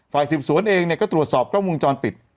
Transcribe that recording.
ฝ่ายสืบสวนเองเนี่ยก็ตรวจสอบกล้องวงจรปิด